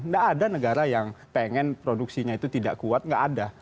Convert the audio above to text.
nggak ada negara yang pengen produksinya itu tidak kuat nggak ada